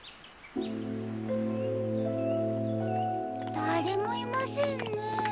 だれもいませんね？